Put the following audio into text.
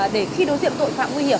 để khi đối diện tội phạm nguy hiểm